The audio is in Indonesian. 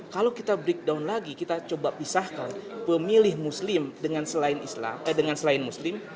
kalau kita breakdown lagi kita coba pisahkan pemilih muslim eh dengan selain muslim